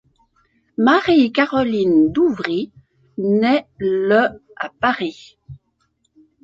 Marie-Caroline Douvry naît le à Paris.